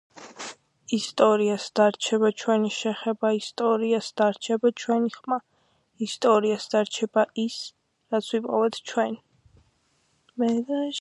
ისტორიას დარჩება ჩვენი შეხება ისტორიას დარჩება ჩვენი ხმა ისტორიას დარჩება ის რაც ვიპოვეთ ჩვენ